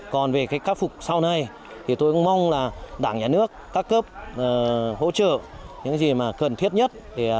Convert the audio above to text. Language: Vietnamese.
còn về khắc phục sau này thì tôi cũng mong là đảng nhà nước các cấp hỗ trợ những gì cần thiết nhất